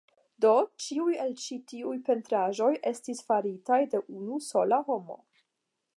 Do, ĉiuj el ĉi tiuj pentraĵoj estas faritaj de unu sola homo